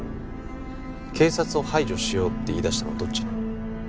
警察を排除しようって言いだしたのはどっち？